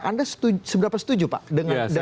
anda seberapa setuju pak dengan perspektif itu